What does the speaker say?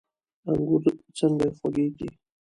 انګور څنګه خوږیږي؟